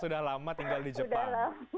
sudah lama sudah lama tinggal di jepang